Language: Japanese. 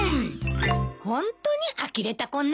ホントにあきれた子ね。